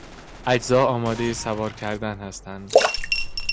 اجزا آمادهی سوار کردن هستند.